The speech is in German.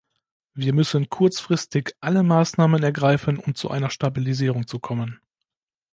Wir müssen kurzfristig alle Maßnahmen ergreifen, um zu einer Stabilisierung zu kommen.